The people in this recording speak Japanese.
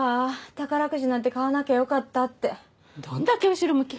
宝くじなんて買わなきゃよかったってどんだけ後ろ向き？